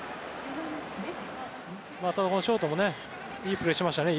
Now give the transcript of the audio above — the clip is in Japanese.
ただ、このショートもいいプレーしましたね。